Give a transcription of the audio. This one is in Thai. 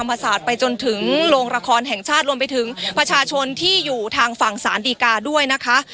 ศาสตร์ไปจนถึงโรงละครแห่งชาติรวมไปถึงประชาชนที่อยู่ทางฝั่งสารดีกาด้วยนะคะ